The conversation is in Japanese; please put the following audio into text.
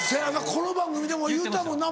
この番組でも言うてたもんな。